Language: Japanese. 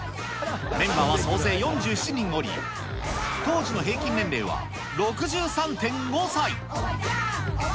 メンバーは総勢４７人おり、当時の平均年齢は６３．５歳。